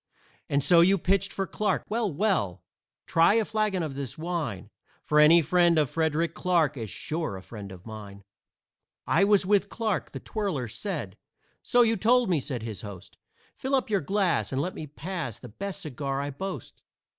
And so you pitched for Clarke. Well, well! Try a flagon of this wine, For any friend of Frederick Clarke Is sure a friend of mine." "I was with Clarke," the twirler said. "So you told me," said his host. "Fill up your glass, and let me pass The best cigar I boast."